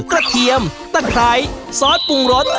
เทียมตะไคร้ซอสปรุงรส